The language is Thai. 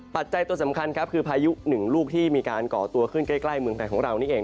ปัจจัยตัวสำคัญครับคือพายุหนึ่งลูกที่มีการก่อตัวขึ้นใกล้เมืองไทยของเรานี่เอง